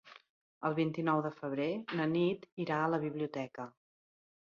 El vint-i-nou de febrer na Nit irà a la biblioteca.